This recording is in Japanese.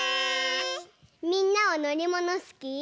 みんなはのりものすき？